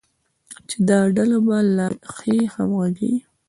چې دا ډله به د لا ښې همغږۍ،